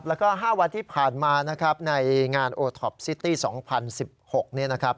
แล้วก็๕วันที่ผ่านมานะครับในงานโอท็อปซิตี้๒๐๑๖เนี่ยนะครับ